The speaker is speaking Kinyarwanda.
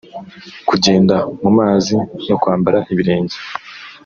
kungenda mu mazi no kwambara ibirenge